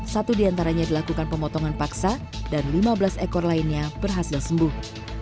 satu diantaranya dilakukan pemotongan paksa dan lima belas ekor lainnya berhasil sembuh